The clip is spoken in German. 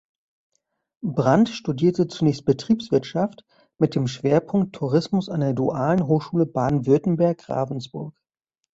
Brand studierte zunächst Betriebswirtschaft mit dem Schwerpunkt Tourismus an der Dualen Hochschule Baden-Württemberg Ravensburg.